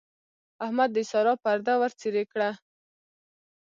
احمد د سارا پرده ورڅېرې کړه.